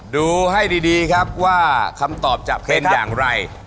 ดูให้ดีครับว่าคำตอบจะเป็นอย่างไร